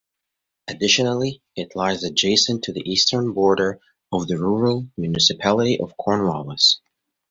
Additionally, it lies adjacent to the eastern border of the Rural Municipality of Cornwallis.